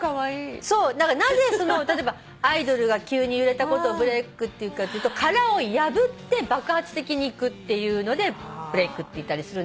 なぜアイドルが急に売れたことをｂｒｅａｋって言うかっていうと殻を破って爆発的にいくっていうのでｂｒｅａｋって言ったりするんだけど。